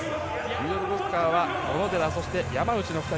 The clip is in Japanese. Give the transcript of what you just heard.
ミドルブロッカーは小野寺、山内の２人。